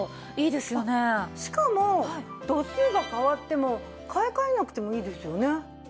しかも度数が変わっても買い替えなくてもいいですよね。